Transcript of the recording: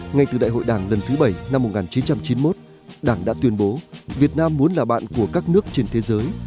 ngay từ đại hội đảng lần thứ bảy năm một nghìn chín trăm chín mươi một đảng đã tuyên bố việt nam muốn là bạn của các nước trên thế giới